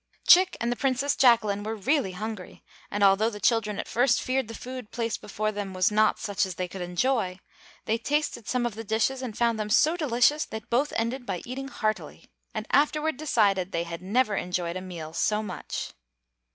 Chick and the Princess Jacquelin were really hungry, and although the children at first feared the food placed before them was not such as they could enjoy, they tasted some of the dishes and found them so delicious that both ended by eating heartily, and afterward decided they had never enjoyed a meal so much.